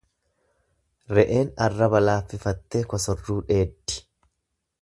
Re'een arraba laaffifattee kossorruu dheeddi.